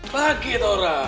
lagi itu orang